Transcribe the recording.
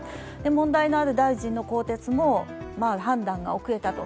問題のある大臣の更迭も判断が遅れたと。